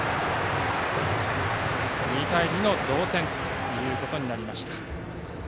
２対２の同点となりました。